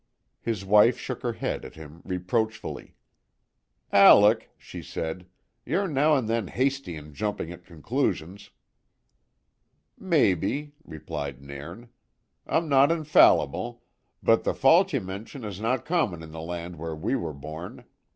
His wife shook her head at him reproachfully. "Alec," she said, "ye're now and then hasty in jumping at conclusions." "Maybe," replied Nairn. "I'm no infallible, but the fault ye mention is no common in the land where we were born.